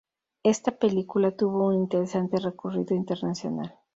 Esta película tuvo un interesante recorrido internacional.